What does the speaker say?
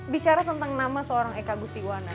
bicara tentang nama seorang eka gustiwana